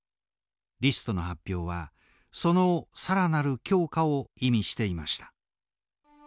リストの発表はその更なる強化を意味していました。